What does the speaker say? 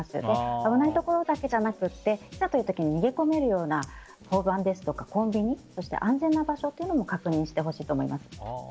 危ないところだけじゃなくていざという時に逃げ込めるような交番ですとかコンビニそして安全な場所も確認してほしいと思います。